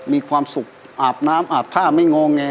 มีความสุขอาบน้ำอาบท่าไม่งอแง